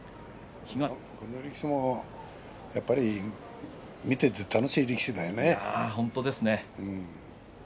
この力士も見ていて楽しい力士だね。